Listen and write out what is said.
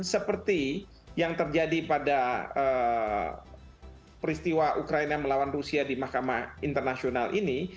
seperti yang terjadi pada peristiwa ukraina melawan rusia di mahkamah internasional ini